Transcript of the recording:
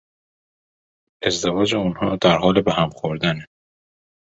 ازدواج آنها در حال به هم خوردن است.